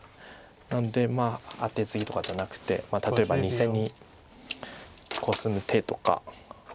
なのでアテツギとかじゃなくて例えば２線にコスむ手とか。